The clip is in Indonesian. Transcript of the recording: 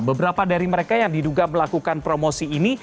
beberapa dari mereka yang diduga melakukan promosi ini